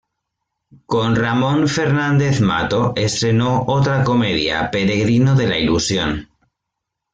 Con Ramón Fernández Mato estrenó otra comedia, "Peregrino de la ilusión".